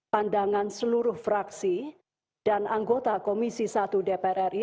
pandangan seluruh fraksi dan anggota komisi satu dpr ri